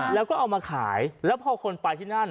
แล้วก็เอามาขายแล้วพอคนไปที่นั่น